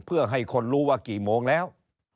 เพื่อให้คนรู้ว่ากี่โมงแล้ว